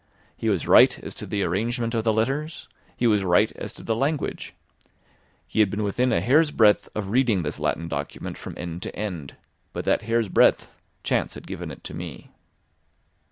He was right as to the arrangement of the letters; he was right as to the language. He had been within a hair's breadth of reading this Latin document from end to end; but that hair's breadth, chance had given it to me!